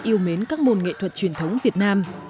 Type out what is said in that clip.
yêu mến các môn nghệ thuật truyền thống việt nam